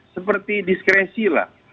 seperti diskresi lah